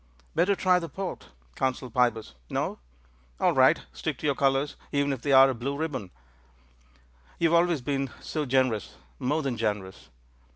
"Better try the port," counselled Pybus. "No? All right; stick to your colours, even if they're a blue ribbon." "You have always been so generous — ^more than generous.